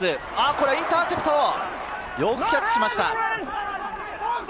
これはインターセプト、よくキャッチしました。